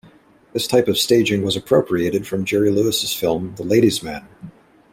This type of staging was appropriated from Jerry Lewis's film "The Ladies Man".